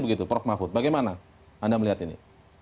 begitu prof mahfud bagaimana anda melihat ini